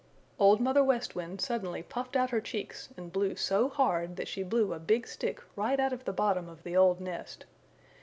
Old Mother West Wind suddenly puffed out her cheeks and blew so hard that she blew a big stick right out of the bottom of the old nest.